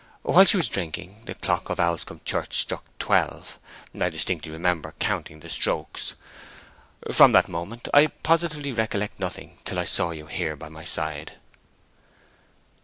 While she was drinking, the clock of Owlscombe Church struck twelve. I distinctly remember counting the strokes. From that moment I positively recollect nothing till I saw you here by my side."